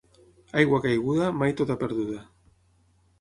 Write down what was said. Aigua caiguda, mai tota perduda.